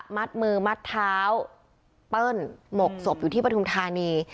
มัดมือมัดเท้าเปิ้ลหมกศพอยู่ที่ปฐุมธานี